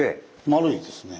丸いですね。